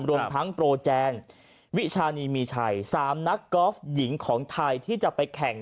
รวมทั้งโปรแจนวิชานีมีชัย๓นักกอล์ฟหญิงของไทยที่จะไปแข่ง